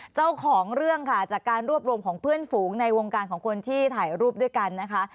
เจ้าของเรื่องค่ะจากการรวบรวมของเพื่อนฝูงในวงการของคนที่ถ่ายรูปด้วยกันนะคะ